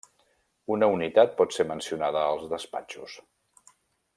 Una unitat pot ser mencionada als Despatxos.